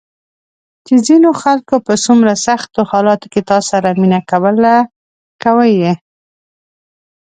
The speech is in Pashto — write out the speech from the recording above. چې ځینو خلکو په څومره سختو حالاتو کې تاسو سره مینه کوله، کوي یې ~